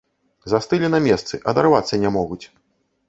Застылі на месцы, адарвацца не могуць.